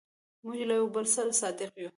موږ له یو بل سره صادق یو.